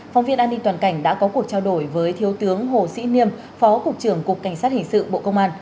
phóng viên an ninh toàn cảnh đã có cuộc trao đổi với thiếu tướng hồ sĩ niêm phó cục trưởng cục cảnh sát hình sự bộ công an